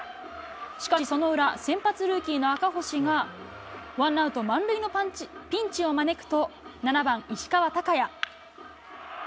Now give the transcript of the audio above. しかし、その裏、先発ルーキーの赤星が、ワンアウト満塁のピンチを招くと、７番石川昂弥。